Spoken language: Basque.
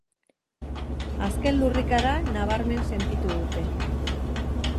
Azken lurrikara nabarmen sentitu dute.